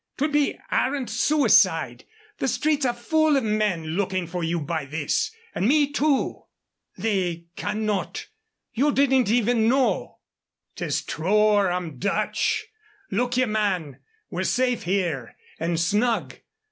'Twould be arrant suicide. The streets are full of men looking for you by this and me, too." "They cannot you didn't even know." "'Tis true, or I'm Dutch. Look ye, man, we're safe here, and snug.